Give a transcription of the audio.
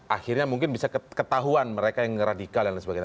akhirnya mungkin bisa ketahuan mereka yang radikal dan lain sebagainya